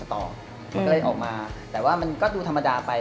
มันก็เลยออกมาแต่ว่ามันก็ดูธรรมดาไป